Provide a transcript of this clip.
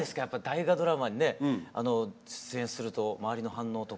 大河ドラマにね出演すると周りの反応とか？